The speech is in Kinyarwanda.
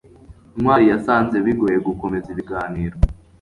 ntwali yasanze bigoye gukomeza ibiganiro